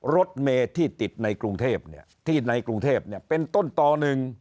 รถเมที่ติดในกรุงเทพที่ในกรุงเทพเป็นต้นต่อหนึ่ง